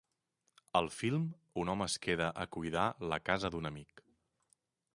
Al film, un home es queda a cuidar la casa d'un amic.